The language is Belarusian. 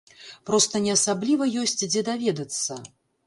Проста не асабліва ёсць дзе даведацца.